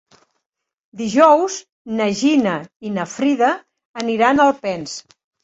Dijous na Gina i na Frida aniran a Alpens.